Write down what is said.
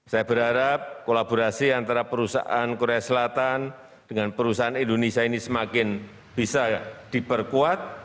saya berharap kolaborasi antara perusahaan korea selatan dengan perusahaan indonesia ini semakin bisa diperkuat